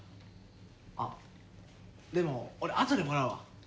あっでも俺あとでもらうわ。